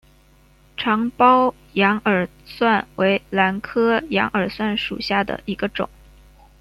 长苞羊耳蒜为兰科羊耳蒜属下的一个种。